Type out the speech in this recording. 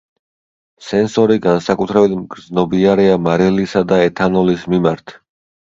სენსორი განსაკუთრებით მგრძნობიარეა მარილისა და ეთანოლის მიმართ.